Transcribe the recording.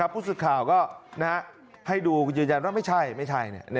พูดสิทธิ์ข่าวก็ให้ดูยืนยันว่าไม่ใช่